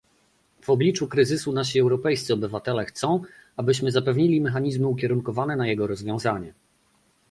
W obliczu kryzysu nasi europejscy obywatele chcą, abyśmy zapewnili mechanizmy ukierunkowane na jego rozwiązanie